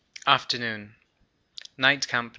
Afternoon. (Night camp No.